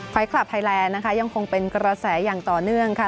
คลับไทยแลนด์นะคะยังคงเป็นกระแสอย่างต่อเนื่องค่ะ